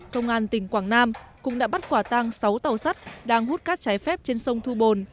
công an tỉnh quảng nam cũng đã bắt quả tang sáu tàu sắt đang hút cát trái phép trên sông thu bồn